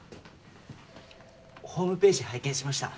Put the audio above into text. ホームページ拝見しました。